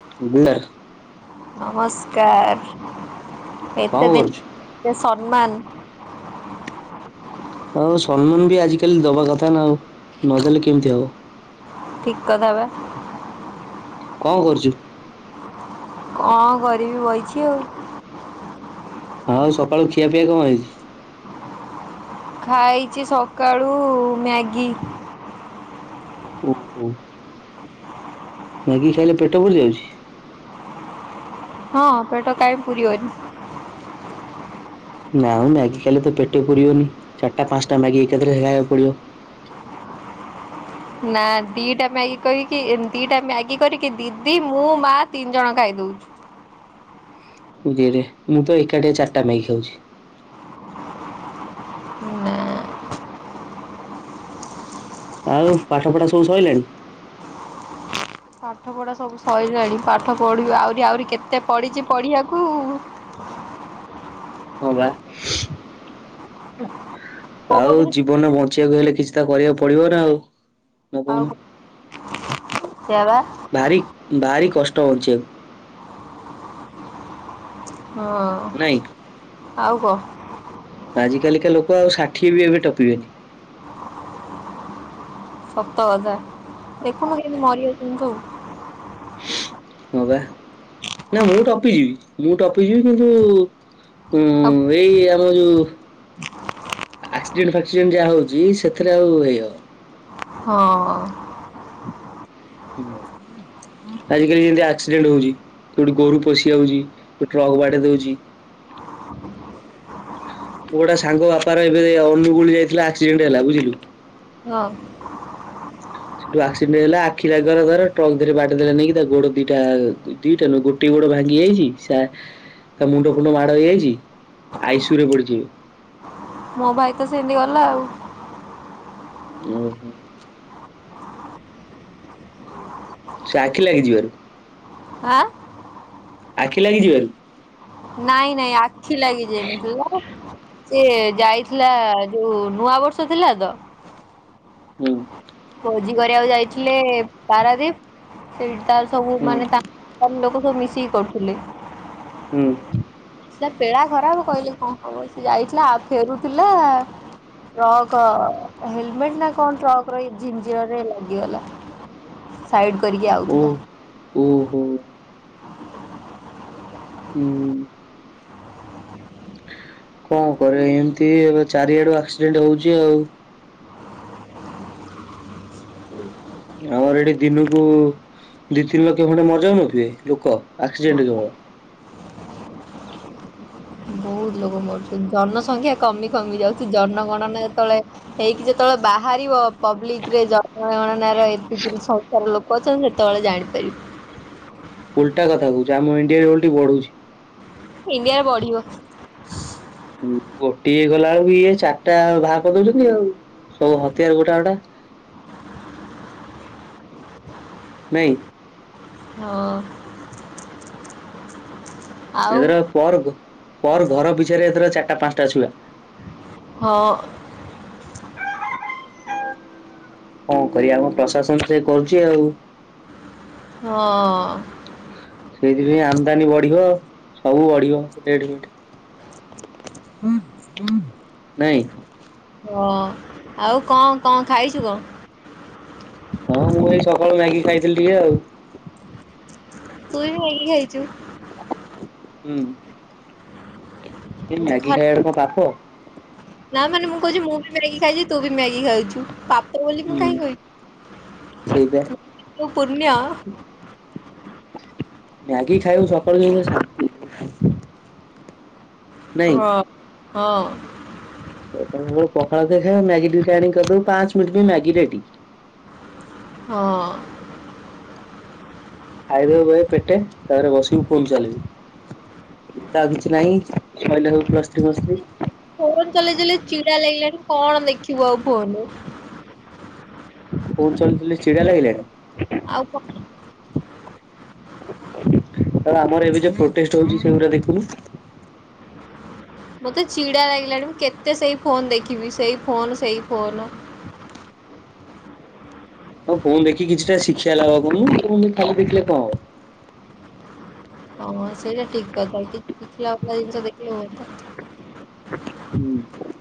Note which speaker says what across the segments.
Speaker 1: [unintelligible]
Speaker 2: ନମସ୍କାର
Speaker 1: କଣ
Speaker 2: ଏତେ
Speaker 1: କରୁଛୁ?
Speaker 2: ଦିନ ସମ୍ମାନ।
Speaker 1: ଆଉ ସମ୍ମାନ ବି ଆଜିକାଲି ଦବା କଥା ନା ଆଉ ନଦେଲେ କେମିତି ହବ?
Speaker 2: ଠିକ କଥା ବା।
Speaker 1: କଣ କରୁଛୁ?
Speaker 2: [inaudible] କଣ କରିବି ବଇଚି ଆଉ।
Speaker 1: ଆଉ ସକାଳୁ ଖିଆ ପିଆ କଣ ହେଇଛି?
Speaker 2: ଖାଇଛି ସକାଳୁ ମ୍ୟାଗି।
Speaker 1: ଓହୋ। ମ୍ୟାଗି ଖାଇଲେ ପେଟ ପୁରିଯାଉଛି?
Speaker 2: ହଁ। ପେଟ କାଇଁ ପୁରି ବନି?
Speaker 1: ନାଁ ମ୍ୟାଗି ଖାଇଲେ ତ ପେଟ ପୁରିବନି? ଚାରିଟା ପାଞ୍ଚଟା ମ୍ୟାଗି ଏକାଥରେ ଖାଇବାକୁ ପଡିବ।
Speaker 2: ନାଁ ଦିଇଟା ମ୍ୟାଗି କରିକି ଦିଇଟା ଏ ମ୍ୟାଗି କରିକି ଦିଦି ମୁଁ ମା ତିନିଜଣ ଖାଇଦଉଛୁ।
Speaker 1: ଓ ରେ ମୁଁ ତ ଏକୁଟିଆ ଚାରିଟା ମ୍ୟାଗି ଖାଉଛି।
Speaker 2: ନା
Speaker 1: ଆଉ ପାଠପଢ ସବୁ ସଇଲାଣି?
Speaker 2: ପାଠପଢା ସବୁ ସଇଲାଣି ପାଠ ପଢିବି ଆହୁରି ଆହୁରି କେତେ ପଡିଛି ପଢିବାକୁ ଉ
Speaker 1: ହଁ ବା
Speaker 2: କୋଉ
Speaker 1: ଆଉ
Speaker 2: ପଢୁଛୁ
Speaker 1: ଜୀବନ ବ ବଞ୍ଚିବାକୁ ହେଲେ କିଛି ତ କରିବାକୁ ପଡିବ ନା ଆଉ ନା
Speaker 2: ଆଉ
Speaker 1: କହୁନୁ?
Speaker 2: କ ସେୟାବା।
Speaker 1: ଭାରି ଭାରି କଷ୍ଟ ହଉଛି ଆଉ
Speaker 2: ହଁ।
Speaker 1: ନାଇ।
Speaker 2: ଆଉ କ।
Speaker 1: ଆଜି କାଲିକା ଲୋକ ଆଉ ଷାଠିଏ ବି ଏବେ ଟପିବେନି?
Speaker 2: ସତ କଥା ଦେଖୁନୁ କେମିତି ମରିଯାଉଛନ୍ତି ସବୁ।
Speaker 1: ହଁ ପା ନା ମୁଁ ଟପିଯିବି ମୁଁ ଟପିଯିବି କିନ୍ତୁ ହୁଁ
Speaker 2: ସବୁ
Speaker 1: ଏ ଏଇ ଆମ ଯୋଉ ଆକ୍ସିଡେଣ୍ଟ ଫାକ୍ସିଡେଣ୍ଟ ଯାହା ହଉଛି ସେଥିରେ ଆଉ ହେଇ ହବ
Speaker 2: ହଁ
Speaker 1: [inaudible] ଆଜିିକାଲି ଯେମିତି ଆକ୍ସିଡେଣ୍ଟ ହଉଛି। କୋଉଠି ଗୋରୁ ପଶି ଯାଉଛି ଟ୍ରକ୍ ବାଡେଇ ଦଉଛି।
Speaker 2: [inaudible]
Speaker 1: ମୋ ଗୋଟେ ସାଙ୍ଗ ବାପାର ଏବେ ଏ ଅନୁଗୁଳି ଯାଇଥିଲା ଆକ୍ସିଡେଣ୍ଟ ହେଲା ବୁଝିଲୁ।
Speaker 2: ହଁ।
Speaker 1: ସେଠୁ ଆକ୍ସିଡେଣ୍ଟ ହେଲା ଆଖି ଲାଗିଗଲା ଧର ଟ୍ରକ୍ ଧୀରେ ବଡେଇଦେଲା ନେଇକି ତା ଗୋଡ ଦିଇଟା ଆ ଦିଇଟା ନୁହ ଗୋଟିଏ ଗୋଡ ଭାଙ୍ଗି ଯାଇଛି ସା ତା ମୁଣ୍ଡ ଫୁଣ୍ଡ ମାଡ଼ ହେଇଯାଇଛି ଆଇସିୟୁରେ ପଡିଛିି ଏବେ।
Speaker 2: ମୋ ଭାଇ ତ ସେମିତି ଗଲା ଆଉ।
Speaker 1: ଓହୋ। ସେ ଆଖି ଲାଗିଯିବାରୁ?
Speaker 2: ଆଁ
Speaker 1: ଆଖି ଲାଗିଯିବାରୁ।
Speaker 2: ନାଇଁ ନାଇଁ ଆଖି ଲାଗିଯାଇନି ତୁ ସେ ଯାଇଥିଲା, ଯୋଉ ନୂଆ ବର୍ଷ ଥିଲା ତ।
Speaker 1: ହୁଁ।
Speaker 2: ଭୋଜି କରିବାକୁ ଯାଇଥିଲେ ପାରାଦ୍ଵୀପ ସେଟା ସବୁ
Speaker 1: ହୁଁ
Speaker 2: ମାନେ ତାଙ୍କ ଲୋକ ସବୁ ମିଶିକି କରୁଥିଲେ।
Speaker 1: ହୁଁ।
Speaker 2: ତା ବେଳା ଖରାପ କହିଲେ କଣ କହିବ ହବ। ସେ ଯାଇଥିଲା ଆଉ ଫେରୁଥିଲା। ଟ୍ରକ୍ ହେଲମେଟ ନା କଣ ଟ୍ରକର ଏଇ ଝିନ୍ଜୀୟର ଲାଗିଗଲା। ସାଇଡ କରିକି ଆଉଥିଲା।
Speaker 1: ଓ ହୋ। ହୁଁ। କଣ କରିବା ଏମିତି ଏବେ ଚାରିଆଡୁ ଆକ୍ସିଡେଣ୍ଟ ହଉଛି ଆଉ। ଆମର ଏଠି ଦିନକୁ ଦି ତିନି ଲକ୍ଷ ଖଣ୍ଡେ ମରିଯାଉନଥିବେ ଲୋକ ଆକ୍ସିଡେଣ୍ଟ କେବଳ।
Speaker 2: ବହୁତ ଲୋକ ମରୁଛନ୍ତି ଜନସଂଖ୍ୟା କମି କମି ଯାଉଛି ଜନଗଣନା ଯେତେବେଳେ ହେଇକି ଯେତେବେଳେ ବାହାରିବ ପବ୍ଲିକରେ ଜନଗଣନାର ଏତିକି ସଂଖ୍ୟାର ଲୋକ ପଚାରିବେ ସେତେବେଳେ ଜାଣିପାରିବି।
Speaker 1: ଓଲଟା କଥା କହୁଛୁ ଆମ ଇଣ୍ଡିଆରେ ଓଲଟି ବଢୁଛି।
Speaker 2: ଇଣ୍ଡିଆର ବଢିବ
Speaker 1: ଗୋଟିଏ ଗଲାବେଳକୁ ବି ଇଏ ଚାରିଟା ବାହାର କରି ଦଉଚନ୍ତି ଆଉ ସବୁ ହତିଆର ଗୋଟା ଗୋଟା ନାଇଁ।
Speaker 2: ହଁ। ଆଉ
Speaker 1: ଏଥର ପର ପରଘର ପିଛେରେ ଏଥର ଚାରିଟା ପାଞ୍ଚଟା ଛୁଆ
Speaker 2: ହଁ।
Speaker 1: କଣ କରିଆ ଆମ ପ୍ରଶାସନ ସେ କରୁଛି ଆଉ
Speaker 2: ହଁ ଅ।
Speaker 1: ସେଇଥିପାଇଁ ଆମଦାନୀ ବଢିବ ସବୁ ବଢିବ ରେଟ ଫେଟ [unintelligible] ନାଇଁ।
Speaker 2: ହଁ। ଆଉ କଣ କଣ ଖାଇଛୁ କଣ
Speaker 1: ହଁ ମୁଁ ଏଇ ସକାଳୁ ମ୍ୟାଗି ଖାଇଥିଲି ଟିକେ ଆଉ
Speaker 2: ତୁଇ ବି ମ୍ୟାଗି ଖାଇଛୁ
Speaker 1: ହୁଁ। ଏ
Speaker 2: ଆଜି
Speaker 1: ମ୍ୟାଗି
Speaker 2: ଖରା
Speaker 1: ଖାଇବାଟା କଣ ପାପ
Speaker 2: ନା ମାନେ ମୁଁ କହୁଛି ମୁଁ ବି ମ୍ୟାଗି ଖାଇଛି ତୁ ବି ମ୍ୟାଗି ଖାଉଛୁ ପା
Speaker 1: ହୁଁ ସେଇବା
Speaker 2: ତୁ ପୁଣ୍ୟ
Speaker 1: [unintelligible] ମ୍ୟାଗି ଖାଇବୁ ସକାଳୁ ଯୋଉ ଶାନ୍ତି ନାଇଁ।
Speaker 2: ହଁ ହଁ
Speaker 1: ପଖାଳ ଭାତ କିଏ ଖାଇବ ମ୍ୟାଗି ଟିକେ ଆଣି କରିଦବୁ ପାଞ୍ଚମିନିଟ୍ ବି ମ୍ୟାଗି ରେଡି
Speaker 2: ହଁ।
Speaker 1: ଖାଇଦବୁ ବହେ ପେଟେ ତାପରେ ବସିବୁ ଫୋନ ଚଲେଇବୁ ଆଉତ ଆଉ କିଛି ନାହିଁ ସଇଲା ସବୁ ପ୍ଲସଥ୍ରି ଫ୍ଲସଥ୍ରି
Speaker 2: ଫୋନ୍ ଚଲେଇ ଚଲେଇ ଚିଡା ଲାଗିଲାଣି କଣ ଦେଖିବୁ ଆଉ ଫୋନ୍
Speaker 1: ଫୋନ୍ ଚଲେଇ ଚଲେଇ ଚିଡା ଲାଗିଲାଣି
Speaker 2: ଆଉ ପଟୁନି?
Speaker 1: ଆ ଆମର ଏବେ ଯୋଉ ପ୍ରୋଟେଷ୍ଟ ହଉଛି ସେଗୁଡା ଦେଖୁନୁ
Speaker 2: ମତେ ଚିଡା ଲାଗିଲାଣି ମୁଁ କେତେ ସେଇ ଫୋନ ଦେଖିବି ସେଇ ଫୋନ ସେଇ ଫୋନ।
Speaker 1: [unintelligible] ହଉ ଫୋନ୍ ଦେଖିକି କିଛିଟା ଶିକ୍ଷା ଲାଭ କରୁନୁ ଖାଲି ଦେଖିଲେ କଣ ହବ?
Speaker 2: ହଁ ସେଇଟା ଠିକ୍ କଥା କି ସିଖିଲା ଜିନିଷ ଦେଖିଲେ ହୁଅନ୍ତା?
Speaker 1: ହୁଁ।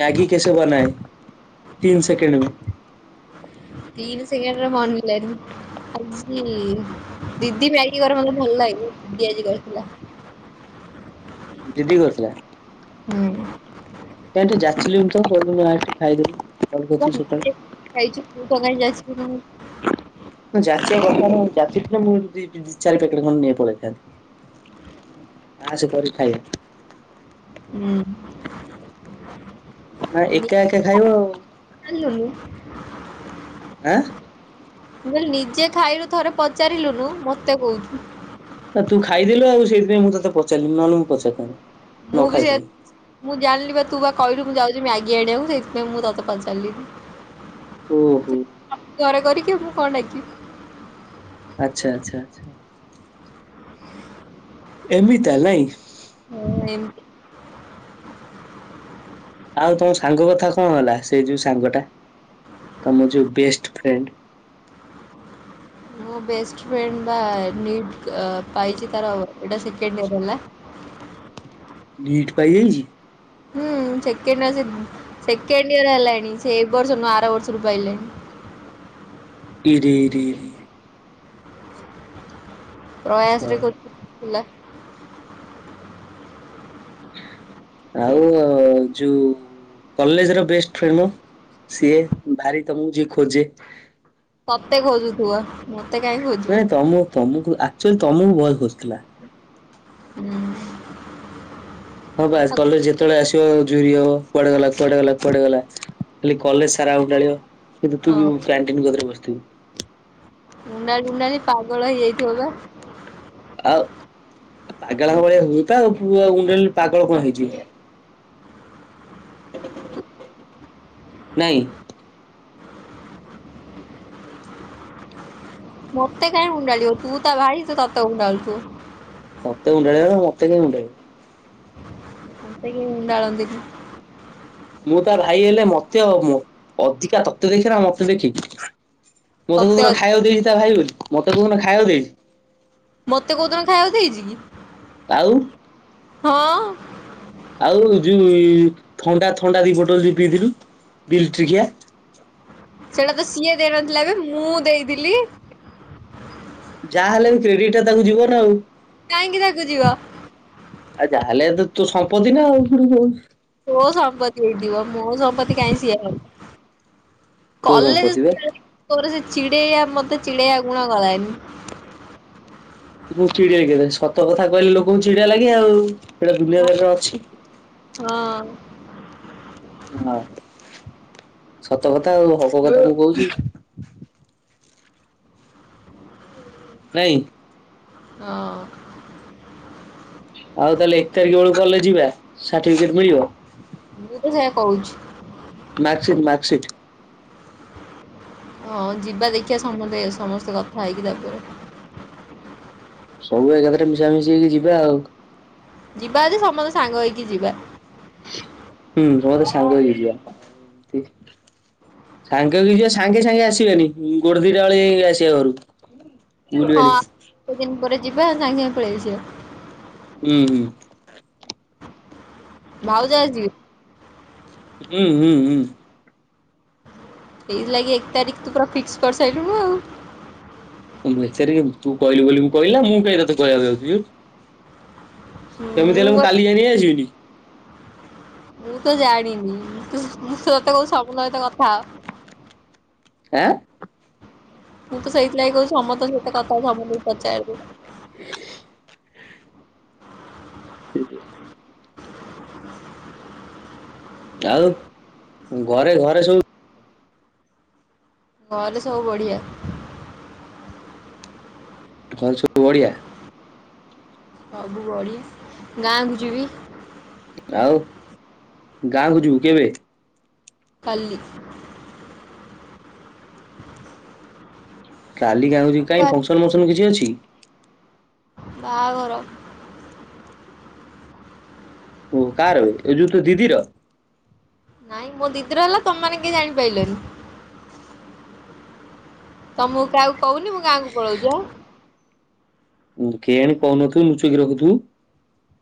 Speaker 1: ମ୍ୟାଗି କେସେ ବନାଏ ତିନ ସେକେଣ୍ଡ୍ ମେ?
Speaker 2: ତିନ ସେକେଣ୍ଡ୍ ରେ ବନେଇ ପାରିବିନି। ଆଜି ଦିଦି ମ୍ୟାଗି କରେ ମତେ ଭଲ ଲାଗେ ଦିଦି ଆଜି କରିଥିଲା।
Speaker 1: ଦିଦି କରିଥିଲା।
Speaker 2: ହୁଁ।
Speaker 1: କାଇଁ ଟିକେ ଯାଚିଲନି ତ ଆ ଟିକେ ଖାଇଦବୁ?
Speaker 2: [unintelligible] ଖାଇଚୁ ତୁ ତ କାଇଁ ଯାଚିଲୁନୁ?
Speaker 1: ଯାଚିଆ କଥା ନୁହଁ ମୁଁ ଯାଚିଥିଲେ ମୁଁ ଦି ଚାରିପ୍ୟାକେଟ ଖଣ୍ଡ ନେଇ ପଳେଇଥାନ୍ତି ଆସେ କରି ଖାଇଆ।
Speaker 2: ହୁଁ।
Speaker 1: ନା ଏକା ଏକା ଖାଇବ ଆଉ।
Speaker 2: ଆଣିଲୁଣି?
Speaker 1: ଆଁ।
Speaker 2: ମୁଁ କହିଲି ନିଜେ ଖାଇଲୁ ଥରେ ପଚାରିଲୁନୁ ମତେ କହୁଚୁ।
Speaker 1: ନା ତୁ ଖାଇଦେଲୁ ଆଉ ସେଥିପାଇଁ ମୁଁ ତତେ ପଚାରିଲିନି ନହେଲେ ମୁଁ ପଚାରିଥାଆନ୍ତି।
Speaker 2: ମୁଁ ବି ତତ୍ ମୁଁ ଜାଣିଲି ବା ତୁ ବା କହିଲୁ ମୁଁ ଯାଉଛି ମ୍ୟାଗି ଆଣିବାକୁ ସେଇଥିପାଇଁ ମୁଁ ତତେ ପଚାରିଲିନି।
Speaker 1: ଓହୋ।
Speaker 2: ଘରେ କରିକି ମୁ କଣ ଡାକିବି?
Speaker 1: ଆଚ୍ଛା ଆଚ୍ଛା ଆଚ୍ଛା। ଏମିତି ତାହେଲେ ନାଇଁ।
Speaker 2: ହଁ ଏମତି
Speaker 1: ଆଉ ତମ ସାଙ୍ଗ କଥା କଣ ହେଲା ସେ ଯୋଉ ସାଙ୍ଗ ଟା ତମ ଯୋଉ ବେଷ୍ଟ ଫ୍ରେଣ୍ଡ?
Speaker 2: ମୋ ବେଷ୍ଟ ଫ୍ରେଣ୍ଡ ବା [unintelligible] ପାଇଛି ତାର ଏଇଟା ସେକେଣ୍ଡିୟର ହେଲା।
Speaker 1: ନିଟ୍ ପାଇଯାଇଛି?
Speaker 2: ହୁଁ ସେକେଣ୍ଡ ସେକେଣ୍ଡ ଇୟର ହେଲାଣି ସେ ଏ ବର୍ଷ ନୁହଁ ଆର ବର୍ଷ ରୁ ପାଇଲାଣି?
Speaker 1: ଏଇଠି ଏଇଠି?
Speaker 2: ପ୍ରୟାସରେ
Speaker 1: ଶଳା।
Speaker 2: କରୁଥିଲା ହେଲା।
Speaker 1: ଆଉ ଯୋଉ କଲେଜ ର ବେଷ୍ଟ ଫ୍ରେଣ୍ଡ? ସିଏ ଭାରି ତମକୁ ଯିଏ ଖୋଜେ?
Speaker 2: ତତେ ଖୋଜୁଥିବ? ମତେ କାଇ ଖୋଜୁ
Speaker 1: ନାଇଁ ତମ ତମକୁ ଆକ୍ଚୁଆଲି ତମକୁ ବୋହେ ଖୋଜୁଥିଲା।
Speaker 2: ହୁଁ
Speaker 1: ହଁ ବା କଲେଜ ଯେତେବେଳେ ଆସିବ ଝୁରି ହବ କୁଆଡେ ଗଲା କୁଆଡେ ଗଲା କୁଆଡେ ଗଲା? ଖାଲି କଲେଜ ସାରା ଅଣ୍ଡାଳିବକିନ୍ତୁ ତୁ ବି
Speaker 2: ହଁ
Speaker 1: କ୍ୟାଣ୍ଟିନ ପାଖରେ ବସିଥିବ।
Speaker 2: ମୁଣ୍ଡାଲି ଉଣ୍ଡାଳି ପାଗଳ ହେଇଯାଇଥିବ ତ?
Speaker 1: ଆଉ ପାଗଳ ଭଳିଆ ହୁଏ ତ ଆଉ ଉଣ୍ଡାଳି ପାଗଳ କଣ ହେଇ ଯିବ? ନାହିଁ।
Speaker 2: ମତେ କାହିଁ ଉଁଣ୍ଡାଳିିବ ତୁ ତା ଭାଇ ତ ତତେ ଉଁଣ୍ଡାଳୁଛୁ।
Speaker 1: ତତେ ଉଁଣ୍ଡେଇବା ନା ମତେ କହିଁ ଉଣ୍ଡାଳିବ।
Speaker 2: ମତେ କହି ଉଣ୍ଡଳନ୍ତିନି।
Speaker 1: ମୁଁ ତା ଭାଇ ହେଲେ ମତେ ଅଧିକା ତତେ ଦେଖିବ ନା ମତେ ଦେଖିକି ମତେ
Speaker 2: ସତେ ଅ
Speaker 1: କୋଉଦିନ ଖାଇବାକୁ ଦେଇଛି ତା ଭାଇ ବୋଲି ମତେ କୋଦିନ ଖାଇବାକୁ ଦେଇଛି।
Speaker 2: ମତେ କୋଉଦିନ ଖାଇବାକୁ ହେଇଛି।
Speaker 1: ଆଉ।
Speaker 2: ହଁ।
Speaker 1: ଆଉ ଯୋଉ ଥଣ୍ଡା ଥଣ୍ଡା ଦି ବୋଟଲ ଯଉ ପିଇଥିଲୁ ଡି ଲିଟ୍ରିକିଆ।
Speaker 2: ସେଇଟା ତ ସିଏ ଦେଇନଥିଲା ବେ ମୁଁ ଦେଇଥିଲି।
Speaker 1: ଯାହା ହେଲେ ବି କ୍ରେଡିଟ ଟା ତାକୁ ଯିବନ ଆଉ।
Speaker 2: କାହିଁକି ତାକୁ ଯିବା।
Speaker 1: ଆଉ ଯାହାେଲେ ତୋ ସମ୍ପତ୍ତି ନା ଆଉ ପୁଣି କହୁଚୁ।
Speaker 2: ତୋ ସମ୍ପତ୍ତି ହେଇଥିବ ମୋ ସମ୍ପତ୍ତି କାଇଁ ସିଏ ହବ।
Speaker 1: ତୋ ସମ୍ପତ୍ତି ବା।
Speaker 2: କ୍ଲଜ [unintelligible] ଚିଡେଇଆ ମତେ ଚିଡେଇଆ ଗୁଣା ଗଲାଣି।
Speaker 1: ମୁ ଚିଡେଇ କେ ସତ କଥା କହିଲେ ଲୋକଙ୍କୁ ଚିଡିଆ ଲାଗେ ଆଉ ସେଇଟା ଦୁନିଆ
Speaker 2: ହଁ
Speaker 1: ଦେରରେ ଅଛି।
Speaker 2: ହଁ।
Speaker 1: ହଁ ସତ କଥା ଆଉ ହବ କଥା ତୁ କହୁଚୁ। ନାଇଁ।
Speaker 2: ହଁ।
Speaker 1: ଆଉ ତାହେଲେ ଏକ ତାରିଖ ବେଳକୁ କଲେ ଯିବା ସାର୍ଟିଫିକେଟ ମିଳିବ।
Speaker 2: ତୁ ସେଇଆ କହୁଚୁ।
Speaker 1: Mark sheet mark sheet.
Speaker 2: ହଁ ଯିବା ଦେଖିବା ସମସ୍ତେ ସମସ୍ତେ କଥା ହେଇକି ତାପରେ।
Speaker 1: ସବୁ ଏକାଥାରେ ମିଶାମିଶି ହେଇକି ଯିବା ଆଉ।
Speaker 2: ଯିବା ଯଦି ସମସ୍ତେ ସାଙ୍ଗ ହେଇକି ଯିବା
Speaker 1: ହୁଁ ସମସ୍ତେ ସାଙ୍ଗ ହେଇଯାଇଯିବା ସାଙ୍ଗ ହେଇକି ଯିବ ସାଙ୍ଗେ ସାଙ୍ଗେ ଆସିବେନି ଗୋଟେ ଦିଟା ବେଳେ ଯାଇକି ଆସିବା ଘରୁ କୁ [unintelligible]
Speaker 2: ଏତେ ଦିନ ପରେ ଯିବା ଆଉ ସାଙ୍ଗେ ପଳେଇସିବା।
Speaker 1: ହୁଁ।
Speaker 2: ଭାଉଜ ଆଜି ଯିବେ
Speaker 1: ହୁଁ ହୁଁ ହୁଁ
Speaker 2: ଏଇ ଲାଗି ଏକ ତାରିଖ ତୁ ପୁରା ଫିକ୍ସ କରିସାରିଲୁନୁ ଆଉ
Speaker 1: ଏକ ତାରିକ ତୁ କହିଲୁ ବୋଲି ମୁଁ କହିଲା ନା ମୁଁ କାଇଁ ତତେ କହିବାକୁ ଯାଉଛି। ସେମିତି ହେଲେ ମୁଁ କାଲି ଯାଇ ନେଇ ଆସିବିନି।
Speaker 2: ମୁଁ ତ ଜାଣିନି ତୁ ମୁଁ ତତେ କହୁଛି ସବୁ ସହିତ କଥା ହ।
Speaker 1: ଆଁ।
Speaker 2: ମୁଁ ତ ସେଇଥିଲାଗି କହୁଛି ସମସ୍ତଙ୍କ ସତ କଥା ସମସ୍ତଙ୍କୁ ପଚାରିଦେ।
Speaker 1: [unintelligible] ଆଉ ଘରେ ଘରେ ସବୁ
Speaker 2: ଘରେ ସବୁ ବଢିଆ।
Speaker 1: ତ ଘର ସବୁ ବଢିଆ।
Speaker 2: ସବୁ ବଢିଆ ଗାଁକୁୁ ଯିବି
Speaker 1: ଆଉ ଗାଁକୁ ଯିବୁ କେବେ?
Speaker 2: କାଲି।
Speaker 1: କାଲି ଗାଁକୁ ଯିବୁ, କାଇଁ
Speaker 2: କାଲି
Speaker 1: ଫଙ୍କସନ ମଙ୍କସନ କିଛି ଅଛି?
Speaker 2: ବାହାଘର।
Speaker 1: ଓହୋ। କାହାର? ଏ ଯୋଉ ତୋ ଦିଦିର?
Speaker 2: ନାଇଁ, ମୋ ଦିଦି ର ହେଲା ତମ ମାନେ କେହି ଜାଣିପାରିଲନି? ତମକୁ କାହାକୁ କହୁନି? ମୁଁ ଗାଁକୁ ପଳଉଛି ଆଁ।
Speaker 1: ହୁଁ, କେଜାଣି କହୁନଥିବୁ ଲୁଚେଇକି ରଖୁଥିବୁ?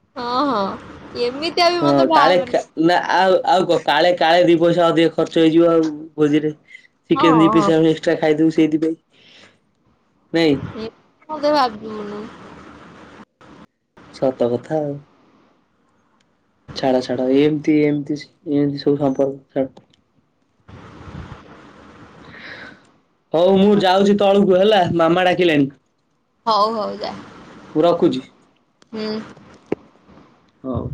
Speaker 2: ହଁ, ହଁ। ଏମିତି
Speaker 1: ହଁ, କାଳେ ଖା ନା, ଆଉ, ଆଉ କଣ କାଳେ କାଳେ ଦି ପଇସା ଅଧିକ ଖର୍ଚ୍ଚ ହେଇଯିବ ଆଉ ଭୋଜିରେ।
Speaker 2: ହଁ
Speaker 1: ଚିକେନ ଦି
Speaker 2: ହଁ ହଁ
Speaker 1: ପିସ ଆଉ ଏକ୍ସଟ୍ରା ଖାଇଦବୁ ସେଇଥିପାଇଁ, ନାଇଁ?
Speaker 2: ହଁ ତୁ ଭାବି ବୁନ [unintelligible]
Speaker 1: ସତ କଥା ଆଉ। ଛାଡ, ଛାଡ ଏମିତି ଏମିତି ଏମିତି ସବୁ ସମ୍ପର୍କ ଛାଡ ହଉ, ମୁଁ ଯାଉଛି ତଳକୁ ହେଲା। ମାମା ଡାକିଲାଣି।
Speaker 2: ହଉ, ହଉ ଯା।
Speaker 1: ମୁଁ ରଖୁଛି?
Speaker 2: ହୁଁ!
Speaker 1: ହଉ।